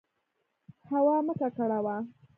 هوا مه ککړوه.